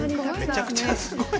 めちゃくちゃすごい。